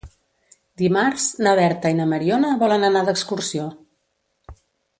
Dimarts na Berta i na Mariona volen anar d'excursió.